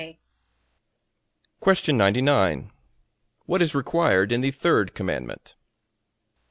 A.